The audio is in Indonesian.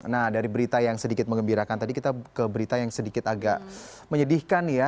nah dari berita yang sedikit mengembirakan tadi kita ke berita yang sedikit agak menyedihkan ya